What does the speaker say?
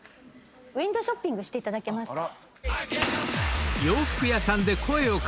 ウインドーショッピングしていただけますか？